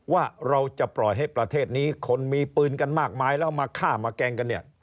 ว่าเราจะปล่อยให้ประเทศนี้คนมีปืนกันมากมายแล้วมาฆ่ามาแกล้งกันเนี่ย